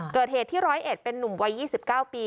เกิดเหตุที่ร้อยเอ็ดเป็นนุ่มวัย๒๙ปี